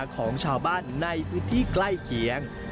ของชาวบ้านในพฤทธิ์ใกล้เคียง